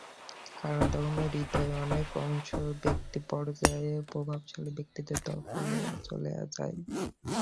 কারণ, তখন হ্রদের অনেক অংশ ব্যক্তিপর্যায়ে প্রভাবশালী ব্যক্তিদের দখলে চলে যায়।